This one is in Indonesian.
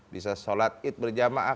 bisa sholat it berjamaah